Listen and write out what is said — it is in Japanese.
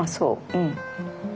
うん。